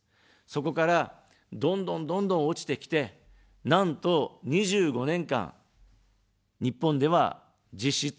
そこから、どんどん、どんどん落ちてきて、なんと２５年間、日本では実質賃金が下がり続けています。